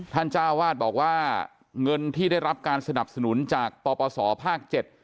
เจ้าวาดบอกว่าเงินที่ได้รับการสนับสนุนจากปปศภาค๗